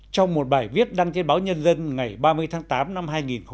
trong một bài viết đăng trên báo nhân dân ngày ba mươi tháng tám năm hai nghìn một mươi chín